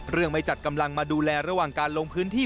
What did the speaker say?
ไม่จัดกำลังมาดูแลระหว่างการลงพื้นที่